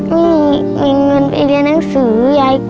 ไม่มีเงินไปเรียนหนังสือยาย